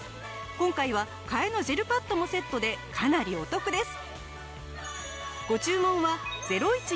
今回は替えのジェルパッドもセットでかなりお得です！